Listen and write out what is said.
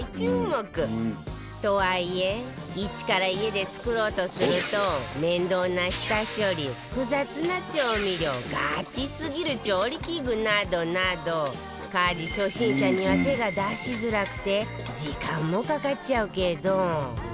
とはいえ一から家で作ろうとすると面倒な下処理複雑な調味料ガチすぎる調理器具などなど家事初心者には手が出しづらくて時間もかかっちゃうけど